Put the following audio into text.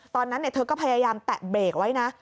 ตอนนั้นเธอก็พยายามแตะเบรกไว้นะ